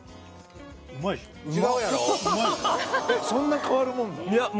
そんな変わるもんなん？